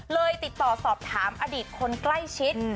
ติดต่อสอบถามอดีตคนใกล้ชิด